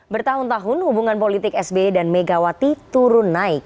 bertahun tahun hubungan politik sbe dan megawati turun naik